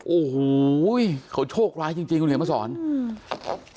โอ้โหเขาโชคร้ายจริงจริงคุณเห็นมาสอนอืม